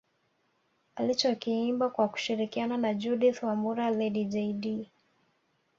Alichokiimba kwa kushirikiana na Judith Wambura Lady Jaydee